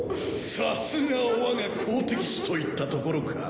さすがは我が好敵手といったところか。